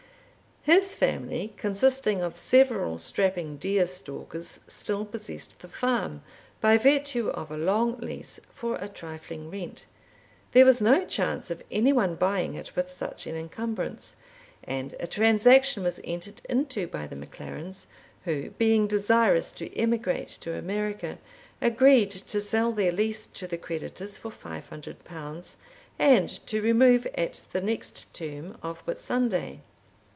His family, consisting of several strapping deer stalkers, still possessed the farm, by virtue of a long lease, for a trifling rent. There was no chance of any one buying it with such an encumbrance, and a transaction was entered into by the MacLarens, who, being desirous to emigrate to America, agreed to sell their lease to the creditors for L500, and to remove at the next term of Whitsunday.